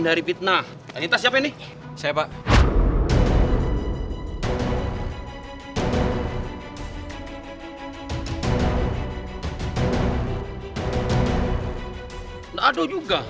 kayaknya purchasing program bougie